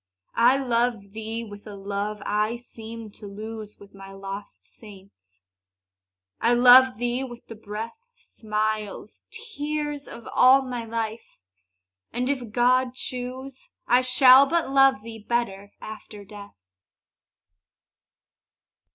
I love thee with a love I seemed to lose With my lost saints, I love thee with the breath, Smiles, tears, of all my life! and, if God choose, I shall but love thee better after death.